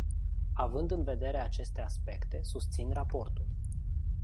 Având în vedere aceste aspecte, susțin raportul.